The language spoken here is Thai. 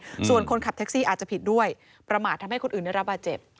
ส่วนคนขับแท็กซี่อาจจะผิดด้วยประมาททำให้คนอื่นได้รับบาดเจ็บ